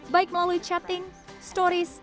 baik melalui chatting stories